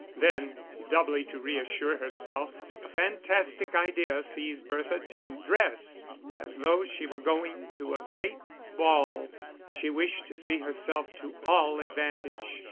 Then, doubly to reassure herself, a fantastic idea seized Bertha to dress as though she were going to a great ball; she wished to see herself to all advantage.